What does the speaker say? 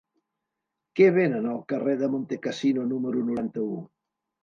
Què venen al carrer de Montecassino número noranta-u?